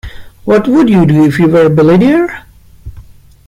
What would you do if you were a billionaire?